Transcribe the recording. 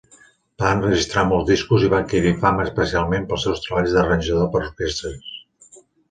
Va enregistrar molts discos i va adquirir fama especialment pels seus treballs d'arranjador per orquestres.